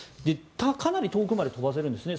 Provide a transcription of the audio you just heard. かなり遠くまで飛ばせるんですね。